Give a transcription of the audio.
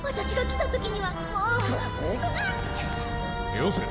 よせ。